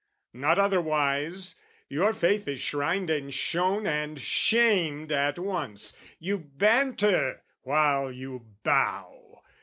Not otherwise, your faith is shrined and shown And shamed at once: you banter while you bow!